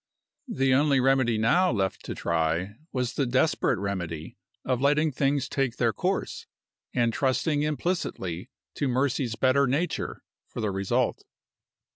The only remedy now left to try was the desperate remedy of letting things take their course, and trusting implicitly to Mercy's better nature for the result.